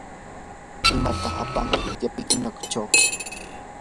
¿imatataq apanki qipikichaw?